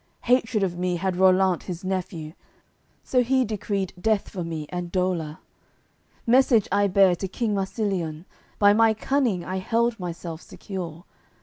Hatred of me had Rollant, his nephew; So he decreed death for me and dolour. Message I bare to king Marsiliun; By my cunning I held myself secure.